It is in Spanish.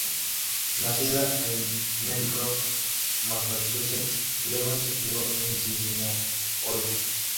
Nacida en Melrose, Massachusetts, Lewis se crio en Cincinnati, Ohio.